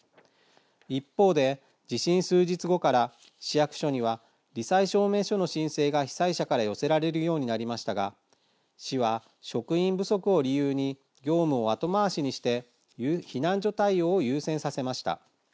一方で、地震数日後から市役所には、り災証明書の申請が被災者から寄せられるようになりましたが市は職員不足を理由に業務を後回しにして避難所対応を優先させました。